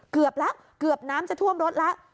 เกือบแล้วเกือบน้ำจะท่วมรถแล้ว